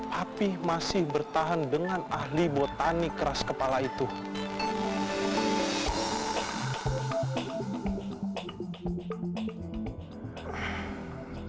rahasia tanaman ini yang membuat aku masih tidur